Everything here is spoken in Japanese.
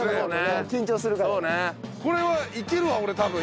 これはいけるわ俺多分。